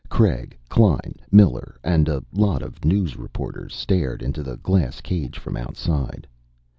Craig, Klein, Miller and a lot of news reporters stared into the glass cage from outside.